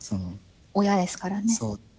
親ですからね。